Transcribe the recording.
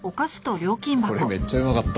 これめっちゃうまかった。